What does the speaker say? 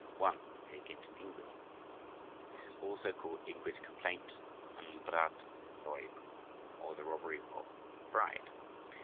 1. Peer Gynt and Ingrid This is also called "Ingrid's Complaint" and "Brautraub," or the robbery of the bride.